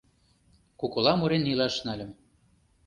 Кукула мурен илаш нальым.